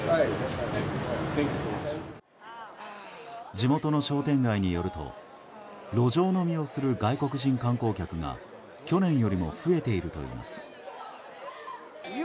地元の商店街によると路上飲みをする外国人観光客が去年よりも増えているといいます。